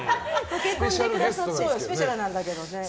スペシャルゲストなんだけどね。